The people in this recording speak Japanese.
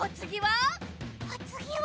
おつぎは。